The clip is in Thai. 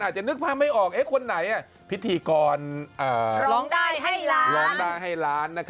อาจจะนึกภาพไม่ออกไอ้คนไหนพิธีกรร้องด้ายให้ล้าน